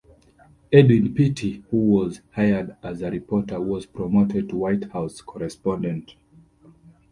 Edwin Pitti, who was hired as a reporter, was promoted to White House correspondent.